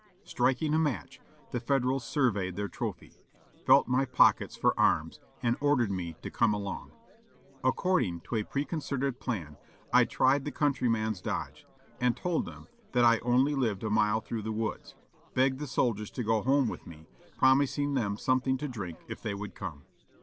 Striking a match, the Federals surveyed their trophy, felt my pockets for arms and ordered me to come along. According to a preconcerted plan, I tried the countryman's dodge, and told them that I only lived a mile through the woods : begged the soldiers to go home with me, promising them some thing to drink if they would come.